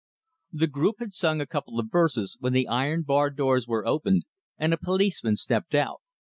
The group had sung a couple of verses, when the iron barred doors were opened, and a policeman stepped out.